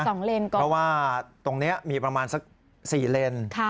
เพราะว่าตรงนี้มีประมาณสัก๔เลน